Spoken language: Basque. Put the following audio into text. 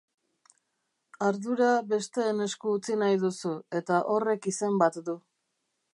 Ardura besteen esku utzi nahi duzu, eta horrek izen bat du.